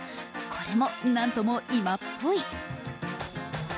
これも、なんとも今っぽい。